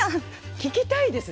聞きたいですね